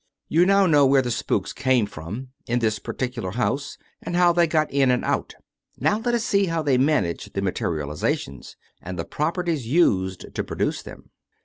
You now know where the spooks came from, in this particular house, and how they got in and out. Now let us see how they managed the materializations, and the properties used to produce them.